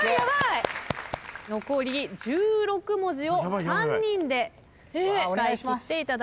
残り１６文字を３人で使い切っていただきます。